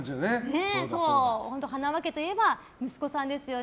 はなわ家といえば息子さんですよね。